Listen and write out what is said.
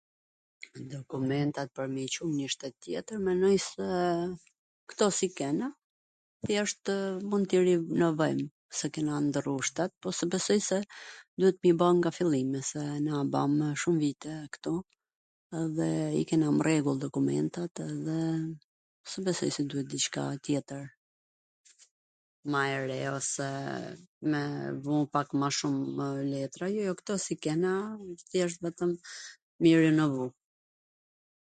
Dokumentat pwr me i Cu nw njw shtet tjetwr mendoj se kto s i kena, thjeshtw mund t i rinovojm se kena ndrru shtet, po besoj se duhet me i ba nga fillimi, se ne u bamw shum vite ktu edhe i kena n rregull dokumentat dhe s besoj se duhet diCka tjetwr ma e re ose me vu ma shumw letra, jo, kto si kena, vetwm thjesht me thwn me i rinovu.